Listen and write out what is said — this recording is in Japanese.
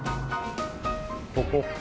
ここか。